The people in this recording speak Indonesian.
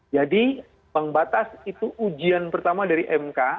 jadi pengbatas itu ujian pertama dari mk